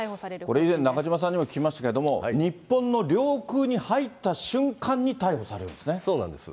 これ以前、中島さんにも聞きましたけれども、日本の領空に入った瞬間に逮捕さそうなんです。